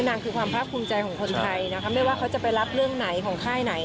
นางคือความภาพภูมิใจของคนไทยนะคะไม่ว่าเขาจะไปรับเรื่องไหนของค่ายไหน